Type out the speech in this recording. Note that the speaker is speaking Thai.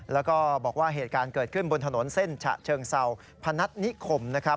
แล้วก็บอกว่าเหตุการณ์เกิดขึ้นบนถนนเส้นฉะเชิงเศร้าพนัฐนิคมนะครับ